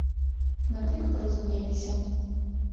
На тым і паразумеліся.